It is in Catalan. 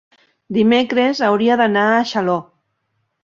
Dimecres hauria d'anar a Xaló.